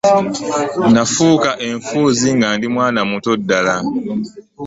Nnafuuka enfuuzi nga ndi mwana muto ddala.